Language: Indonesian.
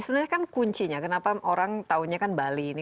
sebenarnya kan kuncinya kenapa orang taunya kan bali ini